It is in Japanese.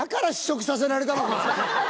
させられたのか！